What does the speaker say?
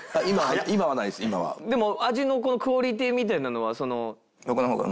でも味のクオリティーみたいなのはその。